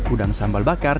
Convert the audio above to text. udang sambal bakar